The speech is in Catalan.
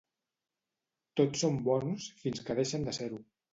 Tots són bons fins que deixen de ser-ho.